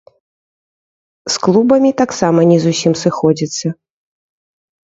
З клубамі таксама не зусім сыходзіцца.